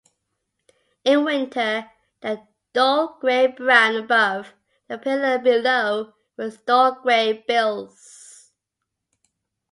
In winter, they are dull gray-brown above and paler below with dull gray bills.